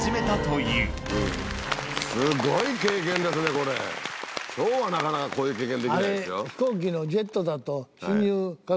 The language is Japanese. こうはなかなかこういう経験できないですよ。